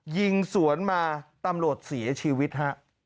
ยิงสวนมาตำรวจเสียชีวิตฮะ